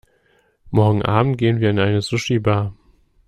Morgen Abend gehen wir in eine Sushibar.